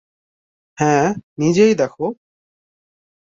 হ্যাঁ, নিজেই দেখো?